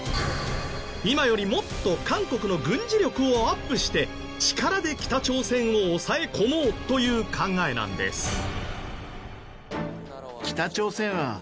今よりもっと韓国の軍事力をアップして力で北朝鮮を抑え込もうという考えなんです。